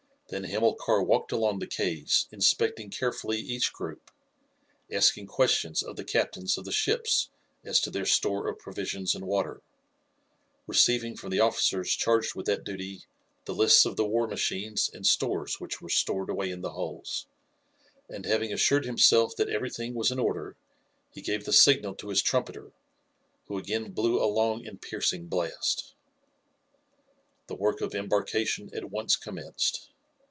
Then Hamilcar walked along the quays inspecting carefully each group, asking questions of the captains of the ships as to their store of provisions and water, receiving from the officers charged with that duty the lists of the war machines and stores which were stored away in the hulls; and, having assured himself that everything was in order, he gave the signal to his trumpeter, who again blew a long and piercing blast. The work of embarkation at once commenced.